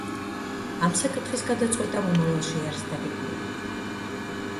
ამ საკითხის გადაწყვეტა მომავალში არის დაგეგმილი.